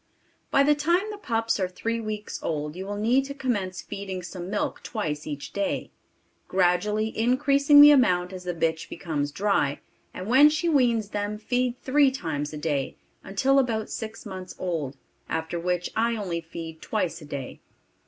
By the time the pups are three weeks old, you will need to commence feeding some milk twice each day, gradually increasing the amount as the bitch becomes dry, and when she weans them, feed three times a day, until about six months old; after which I only feed twice a day.